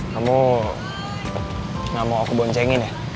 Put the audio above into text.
kamu gak mau aku boncengin ya